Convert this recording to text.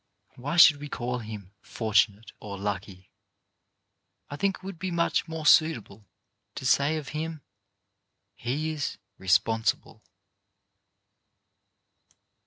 Why should we call him "fortunate" or " lucky?" I think it would be much more suitable to say of him: " He is responsible.